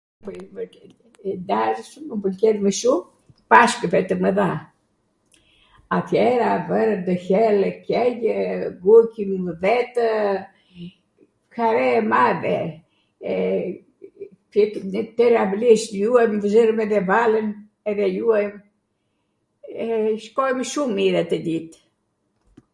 nw darsm mw pwlqen mw shum Pashkwve tw Mwdha, atjera vwrwn ndw hellw qengjw, nguqnimw vetw, hare e madhe, nw twr avli e shtruar, zwrwm edhe vallen, edhe ljuajm, e shkojm shum mir atw dit.